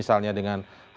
apa yang akan terjadi